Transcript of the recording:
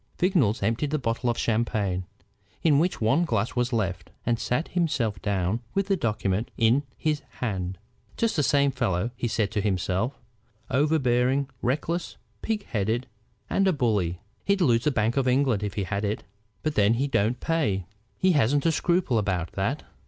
Vignolles emptied the bottle of champagne, in which one glass was left, and sat himself down with the document in his hand. "Just the same fellow," he said to himself; "overbearing, reckless, pig headed, and a bully. He'd lose the Bank of England if he had it. But then he don't pay! He hasn't a scruple about that.